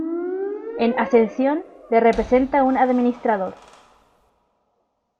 En Ascensión le representa un administrador.